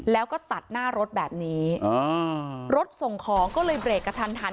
แล้วก็ตัดหน้ารถแบบนี้อ่ารถส่งของก็เลยเบรกกระทันหัน